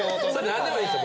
何でもいいですよ